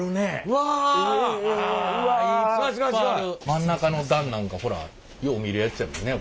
真ん中の段なんかほらよう見るやっちゃね。